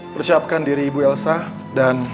persiapkan diri ibu elsa dan